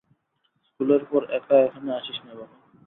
স্কুলের পর একা এখানে আসিস না বাবা।